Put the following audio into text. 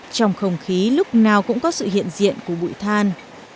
trong không khí lúc nào cũng có sự hiện diện của bụi than